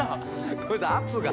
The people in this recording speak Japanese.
ごめんなさい圧が。